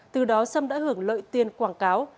từ đó sâm đã hưởng lợi tiền quảng cáo